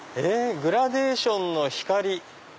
「グラデーションのヒカリ」。